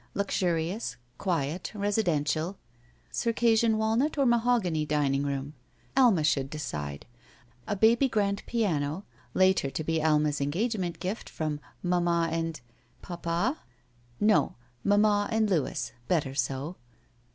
Luxurious. Quiet. Residential. Circassian walnut or mahogany dining room? Alma should decide. A baby grand piano. Later to be Alma's engagement gift from "mamma and — papa.'* No, "mamma and Louis." Better so.